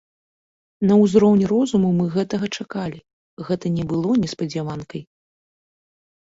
На ўзроўні розуму мы гэтага чакалі, гэта не было неспадзяванкай.